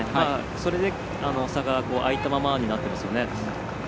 それで、差が開いたままになっていますよね。